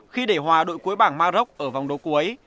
khi để hòa đội cuối bảng maroc ở vòng đấu cuối